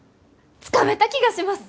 つかめた気がします！